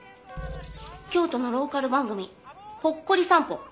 京都のローカル番組『ほっこり散歩』。